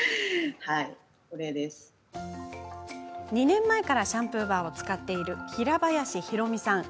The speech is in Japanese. ２年前からシャンプーバーを使っている平林博美さん。